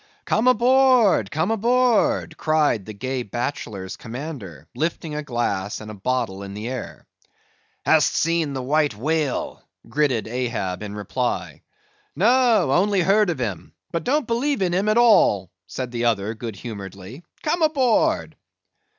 "Come aboard, come aboard!" cried the gay Bachelor's commander, lifting a glass and a bottle in the air. "Hast seen the White Whale?" gritted Ahab in reply. "No; only heard of him; but don't believe in him at all," said the other good humoredly. "Come aboard!"